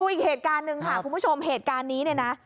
อีกเหตุการณ์หนึ่งค่ะคุณผู้ชมเหตุการณ์นี้เนี่ยนะ